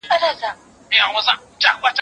خو لا نن هم دی رواج د اوسنیو